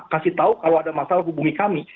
kasih tahu kalau ada masalah hubungi kami